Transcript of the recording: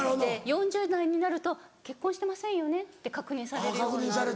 ４０代になると「結婚してませんよね？」って確認されるようになって。